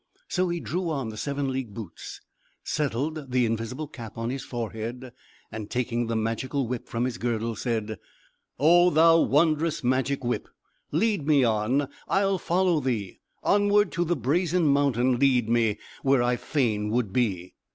So he drew on the seven league boots, settled the invisible cap on his forehead, and taking the Magical Whip from his girdle, said: "Oh! thou wondrous Magic Whip! Lead me on; I'll follow thee! Onward to the Brazen Mountain Lead me, where I fain would be!"